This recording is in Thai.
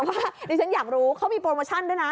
ดิฉันอยากรู้เขามีโปรโมชั่นด้วยนะ